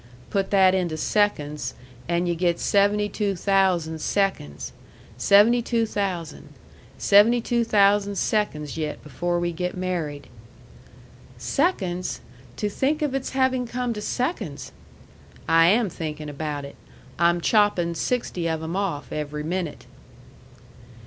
Put that into seconds, and yu' get seventy two thousand seconds. Seventy two thousand. Seventy two thousand seconds yet before we get married." "Seconds! To think of its having come to seconds!" "I am thinkin' about it. I'm choppin' sixty of 'em off every minute."